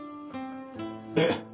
えっ！？